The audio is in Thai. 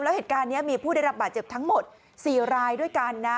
แล้วเหตุการณ์นี้มีผู้ได้รับบาดเจ็บทั้งหมด๔รายด้วยกันนะ